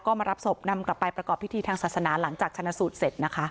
ก็มารับศพนำกลับไปประกอบพิธีทางศาสนาหลังจากชนะสูตรเสร็จนะคะ